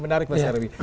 menarik mas yarwi